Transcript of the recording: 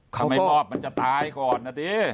ทำไมมอบมันจะตายก่อนนะดิ